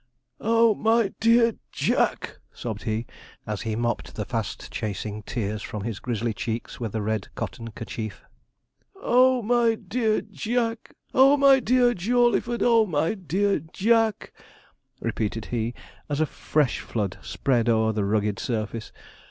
Oh, my dear Jack! 'sobbed he, as he mopped the fast chasing tears from his grizzly cheeks with a red cotton kerchief. 'Oh, my dear Jack! Oh, my dear Jawleyford! Oh, my dear Jack! 'repeated he, as a fresh flood spread o'er the rugged surface.